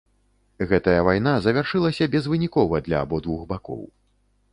Гэтая вайна завяршылася безвынікова для абодвух бакоў.